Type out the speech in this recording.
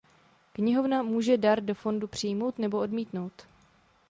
Knihovna může dar do fondu přijmout nebo odmítnout.